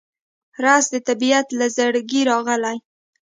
رس د طبیعت له زړګي راغلی